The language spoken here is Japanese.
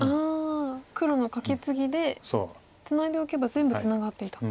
黒のカケツギでツナいでおけば全部ツナがっていたと。